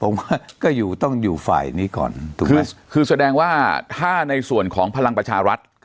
ผมว่าก็อยู่ต้องอยู่ฝ่ายนี้ก่อนถูกไหมคือแสดงว่าถ้าในส่วนของพลังประชารัฐ